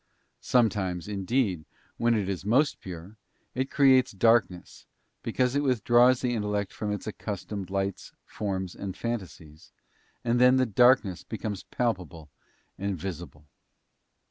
Sometimes, indeed — when it is most pure —it creates darkness, because it withdraws the intellect from its accustomed lights, forms, and fantasies, and then the darkness becomes palpable and visible.